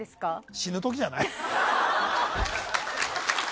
死ぬ時じゃない？